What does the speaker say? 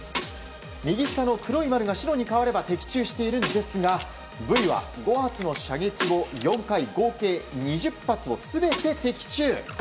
右下の黒い丸が白に変われば的中しているんですがブイは５発の射撃後４回、合計２０発を全て的中。